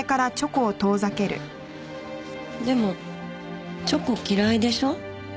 でもチョコ嫌いでしょ？